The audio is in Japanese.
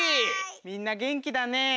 みんなげんきだね。